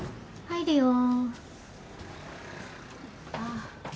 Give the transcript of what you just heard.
ああ。